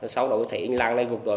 sau đó có thể anh lạng lại gục đó